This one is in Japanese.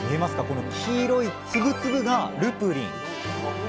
この黄色い粒々がルプリン。